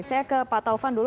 saya ke pak taufan dulu